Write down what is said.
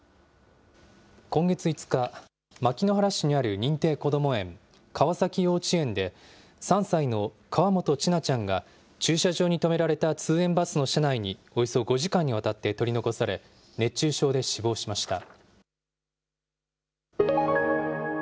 今月５日、牧之原市にある認定こども園、川崎幼稚園で、３歳の河本千奈ちゃんが駐車場に止められた通園バスの車内に、およそ５時間にわたって取り残され、熱中症で死亡しました。